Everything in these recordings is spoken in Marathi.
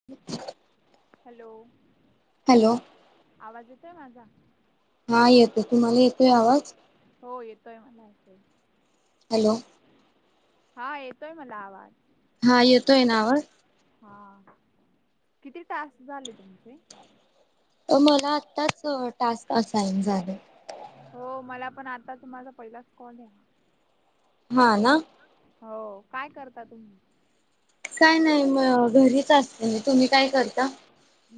[inaudible] हॅलो. हॅलो. आवाज येतोय माझा? हा येतोय तुम्हाला येतोय आवाज? हो येतोय मला ऐकाय. हॅलो. हा येतोय मला आवाज. हा येतोय ना? हा किती टास्क झाले तुमचे? अ- मला आत्ताच टास्क असाईन झालंय. हो मला पण आताच तू माझा पहिलाच कॉले हा. हा ना? हो काय करता तुम्ही? काय नाही म- घरीच असते मी. तुम्ही काय करता?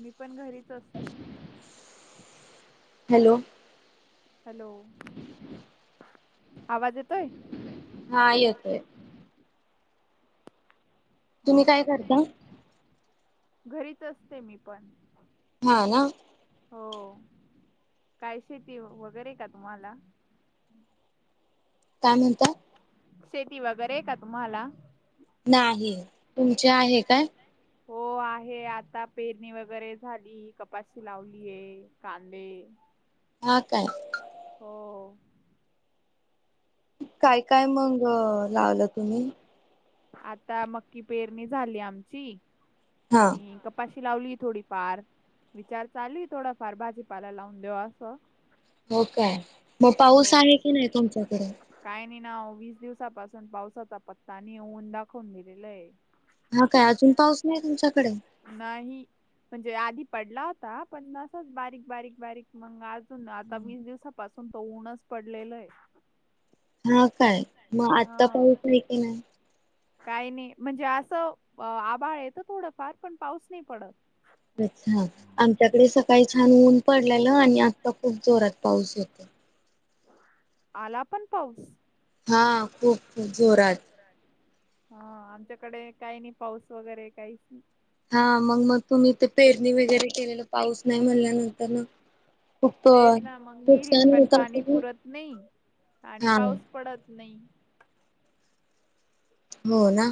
मी पण घरीच असते. हॅलो. हॅलो आवाज येतोय? हा येतोय. हा तुम्ही काय करता? घरीच असते मी पण. हा ना. हो काय शेती वगैरे का तुम्हाला? काय म्हणता? शेती वगैरे ए तुम्हाला? नाही तुमची आहे काय, हो आ आहे आता पेरणी वगैरे झाली कपाशी लावलीये कांदे हा काय? हो हो. काय काय मग लावलं तुम्ही? आता मक्की पेरणी झाली आमची हा आणि कप कपाशी लावली थोडीफार. विचार चालूये थोडाफार भाजीपाला लावून देऊ असं. हो काय? म पाऊस आहे हो की नाही तुमच्याकडं? काय नाही ना वीस दिवसापासून पावसाचा पत्ता नि ऊन दाखवून दिलेलंय. हा काय अजून पाऊस नाही तुमच्याकडे? नाही म्हणजे आधी पडला होता पण असच बारीक बारीक बारीक मग आज सून आता वीस दिवसापासून त ऊनच पडलेलंये. हा काय मग आत्ता पाऊस आहे की नाही? काय नाही, म्हणजे असं आभाळ येतं थोडंफार पण पाऊस नाही पडत. अच्छा आमच्याकडे सकाळी छान ऊन पडलेलं आणि आत्ता खूप जोरात पाऊस येतोय. आला पण पाऊस. हा खूप खूप जोरात. हा आमच्याकडे काय नाही पाऊस वगैरे काहीच हा मग मग तुम्ही तेे पेरणी वगैरे केलेलं पाऊस नाही म्हणल्यानंतरनं तेच ना, मग विहिरीत पण होत पाणी असेल ना पुरत नाही आणि हा पाऊस पडत नाही. हो ना.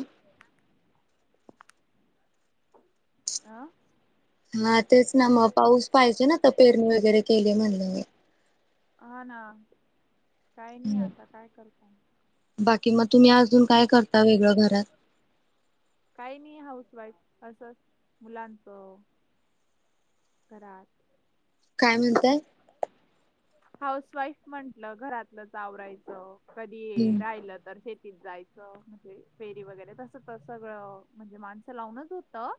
आं? हा तेच ना मग पाऊस पाहिजे ना तर पेरणी वगैरे केलीये म्हणलेवर. हा ना. काही नाही आता काय करता. बाकी मग तुम्ही अजून काय करता वेगळं घरात. काही नाही हाऊस वाईफ असं मुलांच घरात काय म्हणताय? हाऊस वाईफ म्हंटलं घरातलंच आवरायचं कधी हम्म. राहिलं तर शेतीत जायचं. असं म्हणजे फेरी वगैरे तसं तर सगळं म्हणजे माणसं लावूनच होतं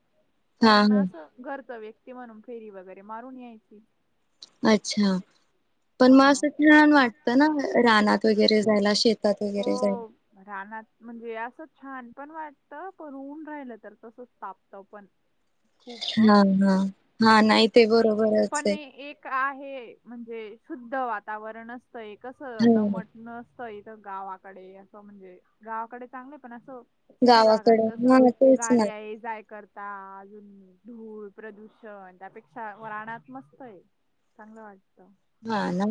हा पण हा असं घरचं व्यक्ती म्हणून फेरी वगैरे मारून यायची. अच्छा! पण म हा. असं छान वाटतं ना रानात वगैरे जायला. शेतात वगैरे जायला. हो रानात म्हणजे असं छान पण वाटतं पण ऊन राहिलं तर तसंच तापतं पण. खूप अ. हा हा हा नाही ते बरोबरचहे. का आहे म्हणजे शुद्ध वातावरण असतंय कस ह दमट नस पहिलं गावाकडे असं म्हणजे गावाकडे चांगलं पण असं सिटी भागात गावाकडे हा कसं तेच ना गाडी आहे जाय कर ता अजून धूळ प्रदूषण त्यापेक्षा रानात मस्त आहे. चांगलं वाटतं. हा ना.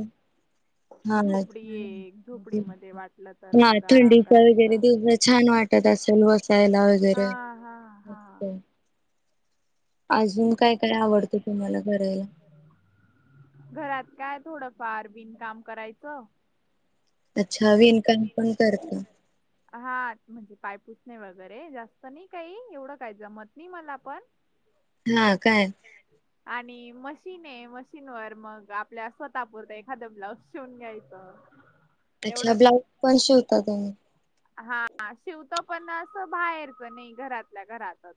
हा ना, झोपडी आहे एक झोपडीमध्ये वाटलं तर हा मग आराम थंडीच वगैरे करायचा. दिवसा छान वाटत त्यात असं बसायला वगैरे हा हा हा. मस्त. अजून काय काय आवडतं तुम्हाला करायला. घरात काय थोडं फार बिन काम करायचं. अच्छा. म्हणजे विणकाम पण करता. हा. म्हणजे पायपूसणे वगैरे. जास्त नाही काही. एवढं काही जमत नाही मला पण- [unintelligible] काय [unintelligible] आणि मशीन आहे. मशीनवर मग आपल्या स्वतः पुुरतं एखादं ब्लाऊज शिवून घ्यायचं. अच्छा. तेवढंच ब्लाउज पण शिवता तुम्ही. हा. शिवतो पण असं बाहेरच नाही. घरातल्या घरातच.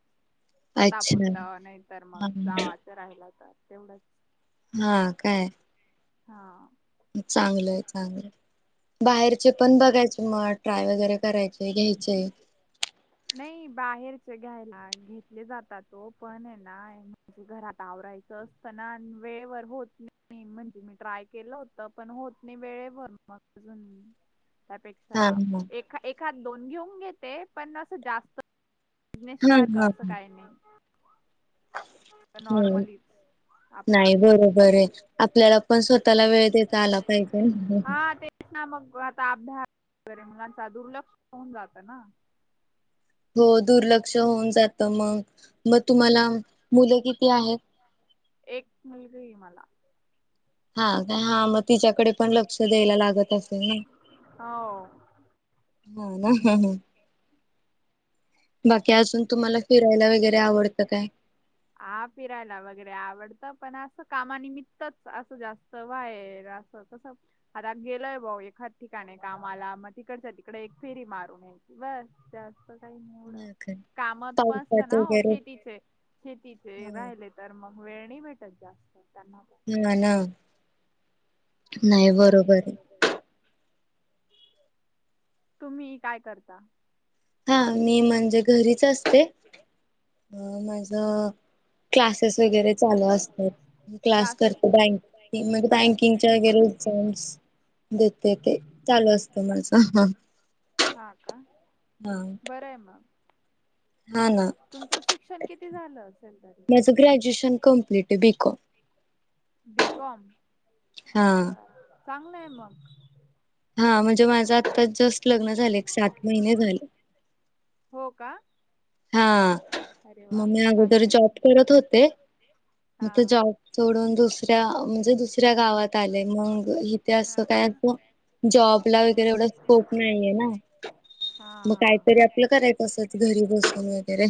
स्वतः अच्छा पुुरतं. नाही तर हा मग जावाचं राहिलं तर तेवढंच. हा काय? हा. चांगलंय. चांगलंय. बाहेरचे पण बघायचे मग- ट्राय वगैरे करायचे घ्यायचे. नाही. बाहेरचे घ्यायला घेतले जातात ओ पण आहे ना? ते घरात आवरायचं असत ना? अन वेळेवर होत नाही. म्हणजे मी ट्राय केलं होत पण होत नाही, वेळेवर मग अजून- त्यापेक्षा हा हा एख एखाद दोन घेऊन घेते. पण असं जास्त- बिझनेस हा सारखं हा असं काही नाही. हम्म नॉर्मलीच. आपला आप. नाही बरोबर आहे आपल्याला पण स्वतःला वेळ देता आला पाहिजे ना. [unintelligible] हा. ते- हां. मग आता अभ्यास वगैरे मुलाचा दुर्लक्ष होऊन जात ना? हो दुर्लक्ष होऊन जातं मग. मग तुम्हाला मुलं किती आहेत? एक मुलगी आहे मला. हा. का? हाय म- तिच्याकडे पण लक्ष द्यायला लागत असेल ना? हो हो ना? हं. हं. बाकी अजून, तुम्हाला फिरायला वगैरे आवडतं काय? हा. फिरायला वगैरे आवडत, पण असं कामानिमित्तच असं जास्त बाहेर असं तसं- आता गेलय भाऊ एखाद ठिकाणी कामाला मग तिकडच्या तिकडे एक फेरी मारून यायचं. बर. जास्त काही नाही येवडं. हां का? कामात पण असत पावसात ना ओ? वगैरे शेतीचे शेतीचे हा राहिलेत. तर मग वेळ नाही भेटत जास्त त्यांनापण. [unintelligible] नाही बरोबर आहे. [unintelligible] तुम्ही काय करता? हा. मी म्हणजे घरीच असते. अ माझ- क्लासेस वगैरे चालू असतात. मी क्लास क्लासेस करते क्लास बँक करतो बँक म्हणजे बँकिंगच्या वगैरे- [unintelligible] देते. ते चालू असत माझ. हा का? म्हणून. बरंय मग. तुमचं शिक्षण किती झालं असेल तरी? ग्रॅजुएशन कंप्लीटये. बीकॉम. B com. हा अच्छा. चांगलं आहे मग. हा. म्हणजे माझं आत्ताच जस्ट लग्न झालं. एक सात महिने झाले. हो का? हा. अरे वा मग मी अगोदर चांगलंय जॉब की करत होते मग हा. तो जॉब सोडून दुसऱ्या म्हणजे दुसऱ्या गावात आलेय मग इथे असं काय जॉब ला वगैरे एवढा स्कोप नाही आहे ना. हा मग हा. काहीतरी आपलं करायच असच घरी बसून वगैरे.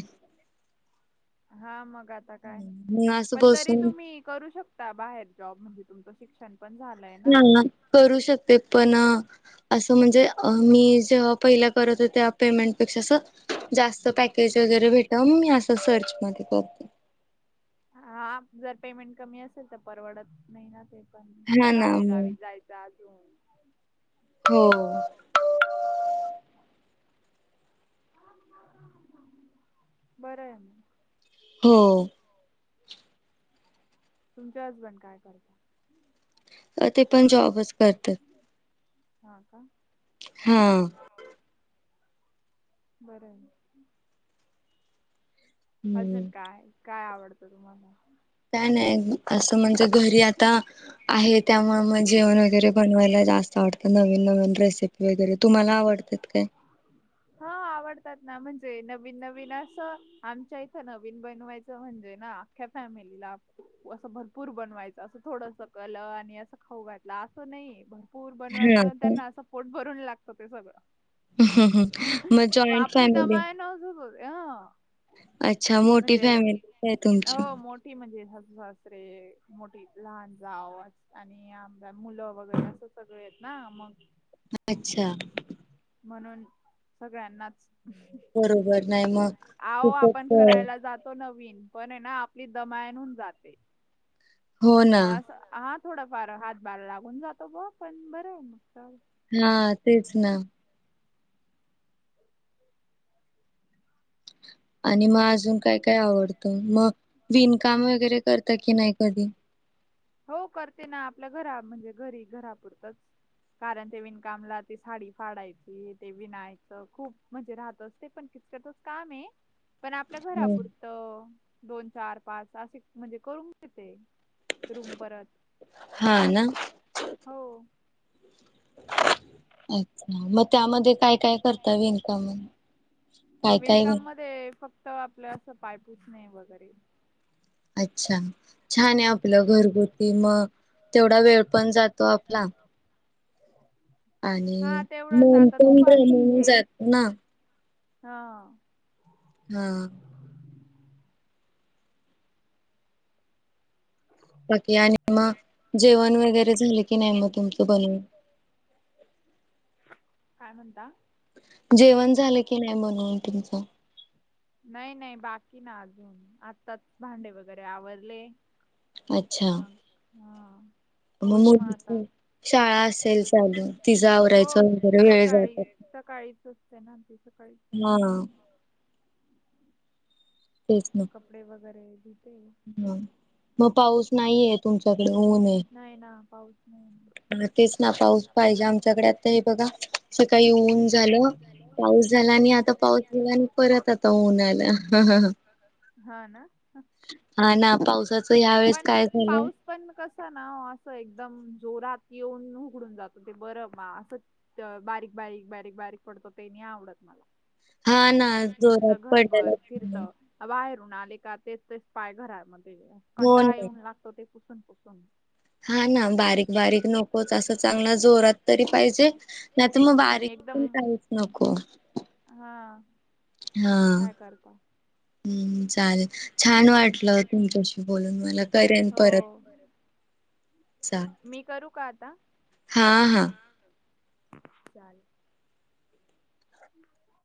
हा मग आता काय मी असं पण तरी बसून तुम्ही करू शकता बाहेर जॉब म्हणजे तुमचं शिक्षण पण झालं ह करू शकते पण असं म्हणजे मी जेव्हा पहिल्या करत हो त्या पेमेंट पेक्षा असं जास्त पॅकेज वगैरे भेटाव मी असं सर्च मध्ये करतो. हा जर पेमेंट कमी असेल तर परवडत नाहीना ते पण आणि हा ना बाहेर गावीत मग जायचं. दाजू [inaudible] हो. बर आहे म. हो. तुमचे हसबंड काय करता? ते पण जॉबच करतात. हा का. हम्म. बरं आहे. अजून हम्म काय काय? आवडतं तुम्हाला? काय नाही असं म्हणजे घरी आता आहे त्यामुळे मग जेवण वगैरे बनवायला जास्त वाटत नवीन, नवीन रेसिपी वगैरे तुम्हाला आवडत काय? हा आवडतात ना म्हणजे नवीन, नवीन असं आमच्या इथं नवीन बनवायचं म्हणजे ना अख्या फॅमिलीला अस भरपूर बनवायच असं थोडस कल आणि खाऊ घातला असं नाहीये भरपूर हा बनवायचं का? त्यांना सपोर्ट भरून लागतं ते सगळं. ह हं हं. आपली दमा आहे न अजून ह. अच्छा मोठी म्हणजे फॅमिली आहे तुमची हो मो म्हणजे सासु, सासरे, मोठी लहान जाऊ आणि आम मुलं वगैरे असं सगळे आहेत ना मग अच्छा. म्हणून. सगळ्यांनाच. बरोबर. नाही मग आहो आपण खूपच अ, करायला जातो नवीन पण आहे ना आपली दमायन होवून जाते. हो ना म अस हा थोडाफार हात बार लागून जातो ग पण बरं मस्त हा तेच ना. आणि मग अजून काय, काय आवडतं? मग विणकाम वगैरे करता की नाही कधी? हो करते ना आपल्या घरा म्हणजे घरी घरापुरतंच. कारण ते विणकामला ते साडी फाडायची ते विनायचं खूप म्हणजे राहतच ते पण किचकटच काम हे. पण आपल्या हो घरापुरतं दोन, चार, पाच असे म्हणजे करून घेते. रूम परत. हां ना हो [inaudible] अच्छा मग त्यामध्ये काय काय करता विनकाम काय काय ते फ फक्त आपल असं पाय पुसणे वगैरे. अच्छा छान आहे आपलं घरगुती मग तेवढा वेळ पण जातो आपला. आणि हा तेवढंच मन आता पण दुपारी रमून हे जात ना हां हां बाकी आणि मग जेवण वगैरे झाले की नाही मग तुमचं बनवून? काय म्हणता? जेवण झालं की नाही बनऊन तुमचं? नाही नाही बाकी ना अजून आत्ताच भांडे वगैरे आवरले. अच्छा मग हां होईल मग आता मुलीची शाळा असेल चालू तिचं हो आवरायचं वगैरे वेळ जातात. सकाळी सकाळीच. [unintelligible] सकाळीच जात हा तेच ना. कपडे वगैरे धुते. ह मग पाऊस नाहीये तुमच्याकडे ऊनय. नाही ना पाऊस नाही तेच ना पाऊस पाहिजे आमच्याकडे आता हे बघा सकाळी ऊन झालं. पाऊस झाला आणि आता पाऊस झाला आणि परत आता ऊन आल. हां ना हा ना पावसाचं ह्या वेळेस पण काय झालं. पाऊस पण कसं ना असं एकदम जोरात येऊन उघडून जातो ते बरं बा असंच बारीक बारीक बारीक बारीक पडतो ते नाही आवडत मला. हा ना चिपचिप निसत जोरात घरभर पडलेला. फिरत. बाहेरून आले का तेच तेच पाय घरामध्ये हो कंटाळ ना येऊन लागतो ते पुसून पुसून. हां ना बारीक बारीक नकोच असा चांगलंच जोरात तरी पाहिजे नाही तर मग बारीक पण काहीच नको. हां हां चालेल. छान वाटलं तुमच्याशी बोलून मला करेन परत. बरं चा आता? हां हां चालेल